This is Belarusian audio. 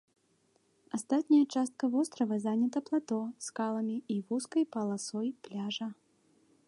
Астатняя частка вострава занята плато, скаламі і вузкай паласой пляжа.